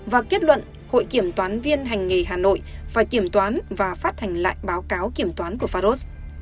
và kết luận hội kiểm toán viên hành nghề hà nội phải kiểm toán và phát hành lại báo cáo kiểm toán của faros